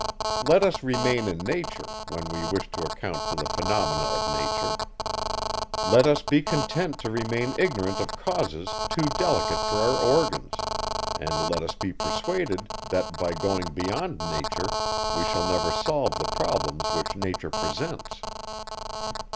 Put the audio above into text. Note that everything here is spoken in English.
Let us remain in nature, when we wish to account for the phenomena of nature; let us be content to remain ignorant of causes too delicate for our organs; and let us be persuaded, that, by going beyond nature, we shall never solve the problems which nature presents.